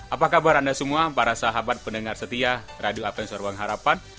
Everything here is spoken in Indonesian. apa kabar anda semua para sahabat pendengar setia radio advent suara pengharapan